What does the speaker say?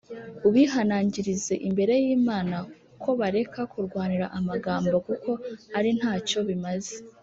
ubihanangirize imbere y’Imana ko bareka kurwanira amagambo kuko ari nta cyo bimaze